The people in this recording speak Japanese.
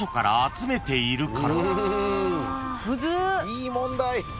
いい問題。